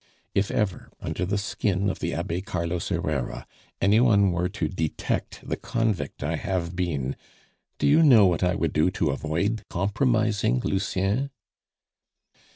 "If ever, under the skin of the Abbe Carlos Herrera, any one were to detect the convict I have been, do you know what I would do to avoid compromising Lucien?"